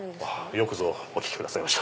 よくぞお聞きくださいました。